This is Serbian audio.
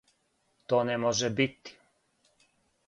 То не може бити?